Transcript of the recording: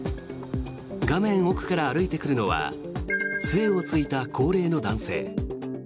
画面奥から歩いてくるのは杖をついた高齢の男性。